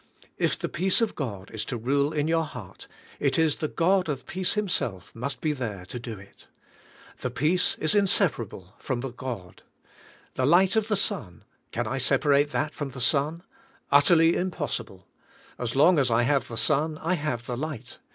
If the peace of God is to rule in your heart, it is the God of peace Himself must be there to do it. The peace is inseparable from the God. The light of the sun — can I separate that from the sun? Utterly impossible. As long as I have the sun I have the light.